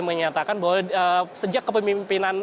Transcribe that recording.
menyatakan bahwa sejak kepemimpinan